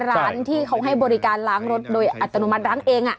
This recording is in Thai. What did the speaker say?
ร้านที่เขาให้บริการล้างรถโดยอัตโนมัติล้างเอง